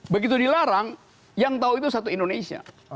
begitu dilarang yang tahu itu satu indonesia